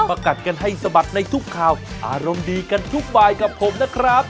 กัดกันให้สะบัดในทุกข่าวอารมณ์ดีกันทุกบายกับผมนะครับ